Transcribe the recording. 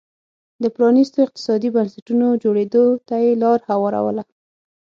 د پرانیستو اقتصادي بنسټونو جوړېدو ته یې لار هواروله